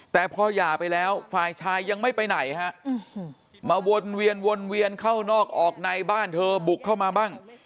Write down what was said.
แต่พอหย่าไปแล้วฝ่ายชายยังไม่ไปไหนฮะมาวนเวียนวนเวียนเข้านอกออกในบ้านเธอบุกเข้ามาบ้าง